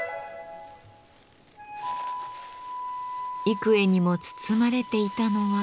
幾重にも包まれていたのは。